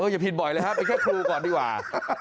อย่าผิดบ่อยเลยครับเป็นแค่ครูก่อนดีกว่า